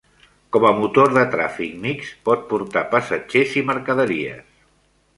Com a motor de tràfic mixt, pot portar passatgers i mercaderies.